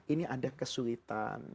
ini ada kesulitan